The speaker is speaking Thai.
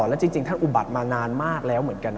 แล้วจริงท่านอุบัติมานานมากแล้วเหมือนกันนะ